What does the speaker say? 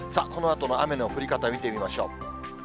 このあとの雨の降り方、見てみましょう。